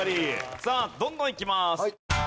さあどんどんいきます。